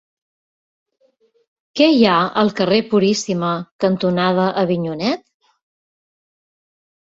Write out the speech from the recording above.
Què hi ha al carrer Puríssima cantonada Avinyonet?